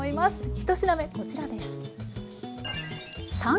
一品目こちらです。